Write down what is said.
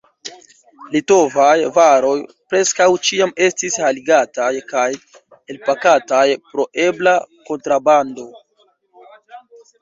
Litovaj varoj preskaŭ ĉiam estis haltigataj kaj elpakataj pro ebla kontrabando.